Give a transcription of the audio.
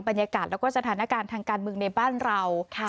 บรรยากาศแล้วก็สถานการณ์ทางการเมืองในบ้านเรา